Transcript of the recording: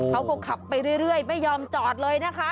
เขาก็ขับไปเรื่อยไม่ยอมจอดเลยนะคะ